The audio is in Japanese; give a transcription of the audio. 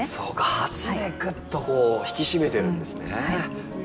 鉢でぐっとこう引き締めてるんですね。